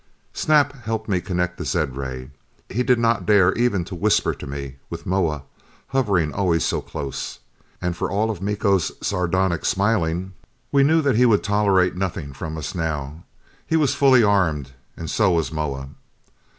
Snap helped me connect the zed ray. He did not dare even to whisper to me, with Moa hovering always so close. And for all Miko's sardonic smiling, we knew that he would tolerate nothing from us now. He was fully armed and so was Moa.